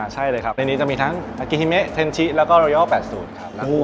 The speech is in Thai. ใช่เลยครับในนี้จะมีทั้งอากิฮิเมะเทนชิแล้วก็โรยอล๘สูตรครับ